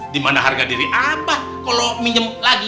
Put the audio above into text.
dimana harga diri abah kalo minjem lagi